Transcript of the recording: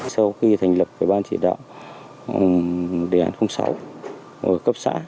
sau khi thành lập cái ban chỉ đạo đề án sáu ở cấp xã